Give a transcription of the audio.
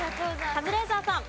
カズレーザーさん。